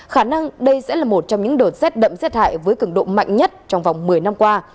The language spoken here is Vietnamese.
khả năng đây sẽ là một trong những đợt rét đậm rét hại với cường độ mạnh nhất trong vòng một mươi năm qua